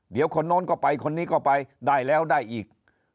เดี๋ยวคนโน้นก็ไปคนนี้ก็ไปได้แล้วได้อีก